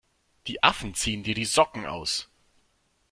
Die Affen ziehen dir die Socken aus!